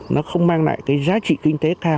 nó không mang lại cái giá trị kinh tế cao